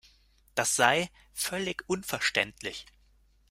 Das sei „völlig unverständlich“.